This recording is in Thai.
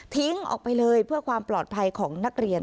ออกไปเลยเพื่อความปลอดภัยของนักเรียน